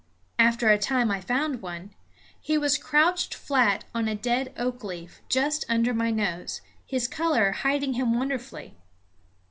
After a time I found one. He was crouched flat on a dead oak leaf, just under my nose, his color hiding him wonderfully.